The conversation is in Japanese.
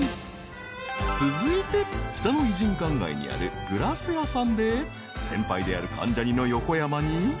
［続いて北野異人館街にあるグラス屋さんで先輩である関ジャニの横山に］